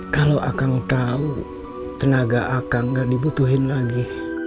kalau akang tahu tenaga akang nggak dibutuhin lagi